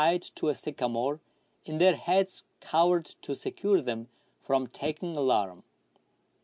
151 to a sycamore, and their heads covered to secure them from takincj alarm.